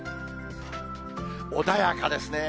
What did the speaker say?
穏やかですね。